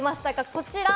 こちら。